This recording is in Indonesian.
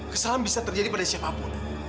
kesalahan bisa terjadi pada siapapun